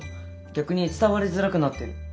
逆に伝わりづらくなってる。